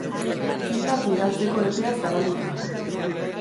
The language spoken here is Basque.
Filmak bidaltzeko epea zabalik dago.